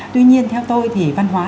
tuy nhiên theo tôi thì văn hóa